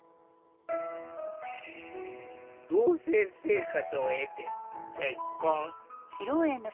同せい生活を経て結婚。